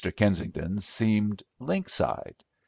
Kensington seemed lynx eyed.